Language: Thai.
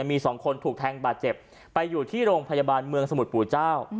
มีสองคนถูกแทงบาดเจ็บไปอยู่ที่โรงพยาบาลเมืองสมุทรปู่เจ้า